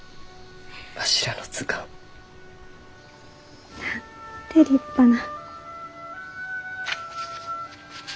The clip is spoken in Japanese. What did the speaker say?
わしらの図鑑。なんて立派な。